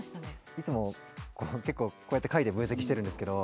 いつも結構、こうやって書いて分析してるんですけど。